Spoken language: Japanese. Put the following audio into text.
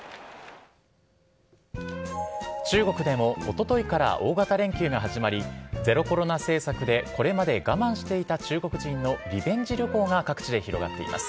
中国でも、おとといから大型連休が始まり、ゼロコロナ政策でこれまで我慢していた中国人のリベンジ旅行が各地で広がっています。